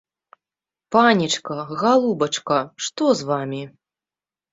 Панечка, галубачка, што з вамі?